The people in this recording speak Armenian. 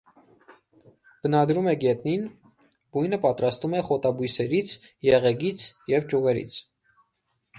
Բնադրում է գետնին, բույնը պատրաստում է խոտաբույսերից, եղեգից և ճյուղերից։